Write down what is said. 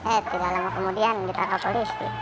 eh tidak lama kemudian kita ke polisi